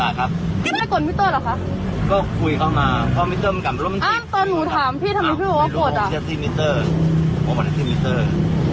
อ้าวตอนหนูถามพี่ทำไมพี่บอกว่ากดอ่ะอ้าวไม่รู้ว่าแท็กซี่มิตเตอร์บอกว่าแท็กซี่มิตเตอร์